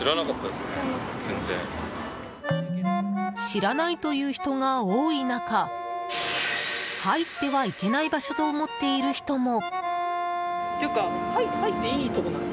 知らないという人が多い中入ってはいけない場所と思っている人も。